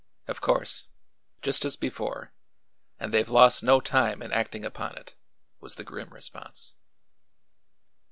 "Of course; just as before; and they've lost no time in acting upon it," was the grim response.